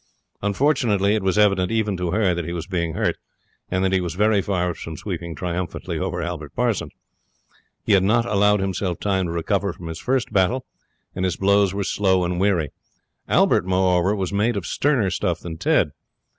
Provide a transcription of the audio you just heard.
Unfortunately, it was evident, even to her, that he was being hurt, and that he was very far from sweeping triumphantly over Albert Parsons. He had not allowed himself time to recover from his first battle, and his blows were slow and weary. Albert, moreover, was made of sterner stuff than Ted.